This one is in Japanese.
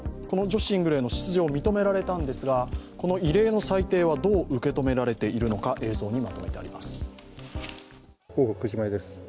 この女子シングルへの出場を認められたんですが、この異例の裁定はどう受け止められているのか、映像にまとめてあります。